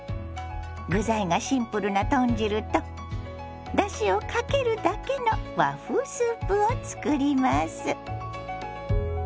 具材がシンプルな豚汁とだしをかけるだけの和風スープを作ります。